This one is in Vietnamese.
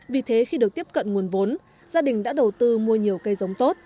vì thế khi được tiếp cận nguồn vốn gia đình đã đầu tư mua nhiều cây giống tốt